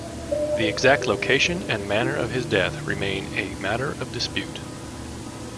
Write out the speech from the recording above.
The exact location and manner of his death remain a matter of dispute.